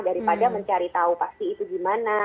daripada mencari tahu pasti itu gimana